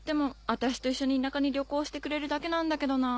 私と一緒に田舎に旅行してくれるだけなんだけどなぁ。